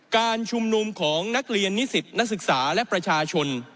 การชุมนุมของนักเรียนนิสิตนักศึกษาและประชาชน